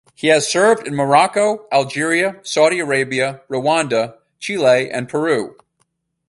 He has served in Morocco, Algeria, Saudi Arabia, Rwanda, Chile and Peru.